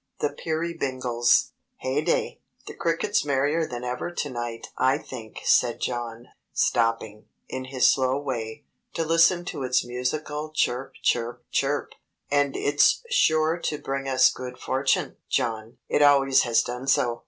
The Peerybingles "Heyday! The cricket's merrier than ever to night, I think," said John, stopping, in his slow way, to listen to its musical chirp, chirp, chirp! "And it's sure to bring us good fortune, John! It always has done so.